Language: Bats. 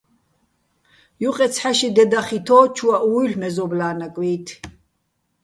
ჲუყე ცჰ̦ა-ში დე დახითო́, ჩუაჸ ვუჲლ'ო̆ მეზობლა́ ნაკვი́თ.